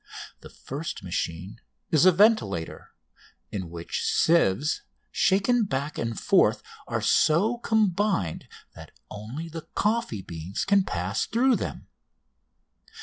The first machine is a ventilator, in which sieves, shaken back and forth, are so combined that only the coffee beans can pass through them.